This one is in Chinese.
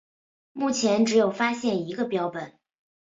目前只有发现一个标本。